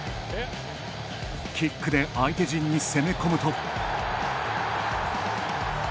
キックで相手陣に攻め込むと。